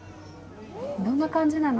どんな感じなの？